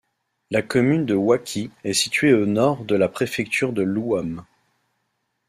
La commune de Ouaki est située au nord de la préfecture de l’Ouham.